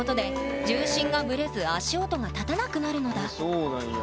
そうなんや。